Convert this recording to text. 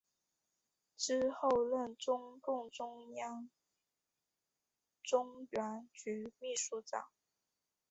之后任中共中央中原局秘书长。